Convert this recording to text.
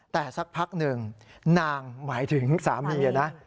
แต่สักพักหนึ่งนางหมายถึงสามีนะ